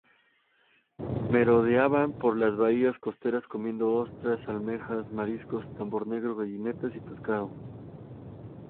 Merodeaban por las bahías costeras, comiendo ostras, almejas, mariscos, tambor negro, gallineta, y pescado.